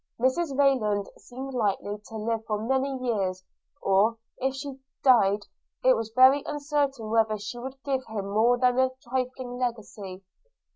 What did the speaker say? Mrs Rayland seemed likely to live for many years; or, if she died, it was very uncertain whether she would give him more than a trifling legacy.